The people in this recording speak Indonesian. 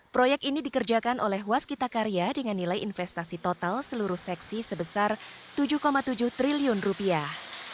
proyek ini dikerjakan oleh waskita karya dengan nilai investasi total seluruh seksi sebesar tujuh tujuh triliun rupiah